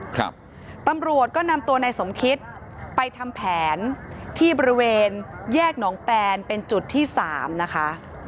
ครับตำรวจก็นำตัวนายสมคิตไปทำแผนที่บริเวณแยกหนองแปนเป็นจุดที่สามนะคะ